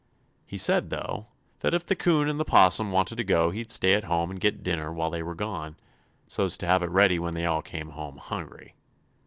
He said, though, that if the 'Coon and the 'Possum wanted to go he'd stay at home and get dinner while they were gone, so's to have it ready when they all came home hungry.